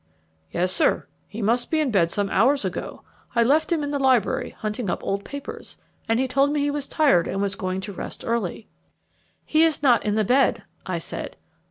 "Yes, sir; he must be in bed some hours ago. I left him in the library hunting up old papers, and he told me he was tired and was going to rest early." "He is not in the bed," I said.